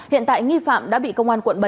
hiện tại nghi phạm đã bị công an quận bảy